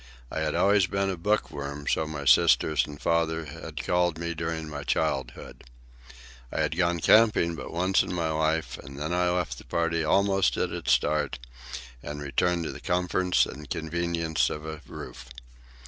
I had always been a book worm; so my sisters and father had called me during my childhood. I had gone camping but once in my life, and then I left the party almost at its start and returned to the comforts and conveniences of a roof.